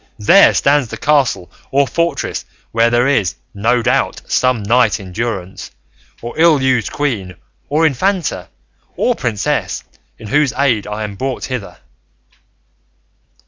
there stands the castle or fortress, where there is, no doubt, some knight in durance, or ill used queen, or infanta, or princess, in whose aid I am brought hither."